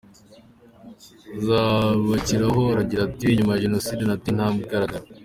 Uzabakiriho aragira ati: “Nyuma ya Jenoside nateye intambwe igaragara.